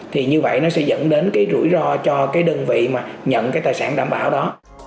thì như vậy nó sẽ dẫn đến cái rủi ro cho cái đơn vị mà nhận cái tài sản đảm bảo đó